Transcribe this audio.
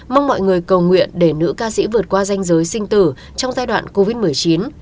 mong mọi người cầu nguyện để nữ ca sĩ vượt qua danh giới sinh tử trong giai đoạn covid một mươi chín